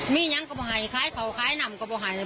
มีอย่างก็บ่ไห่คล้ายเผาคล้ายหน่ำก็บ่ไห่